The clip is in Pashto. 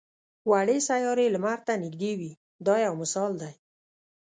وړې سیارې لمر ته نږدې وي دا یو مثال دی.